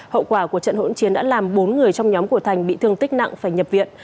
hậu quả của trận hỗn chiến đã làm bốn người trong nhóm của thành bị thương tích nặng phải nhập viện